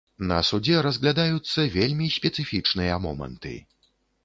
На судзе разглядаюцца вельмі спецыфічныя моманты.